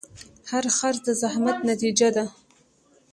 هر خرڅ د زحمت نتیجه ده.